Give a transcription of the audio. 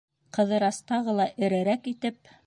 Ҡыҙырас тағы ла эрерәк итеп: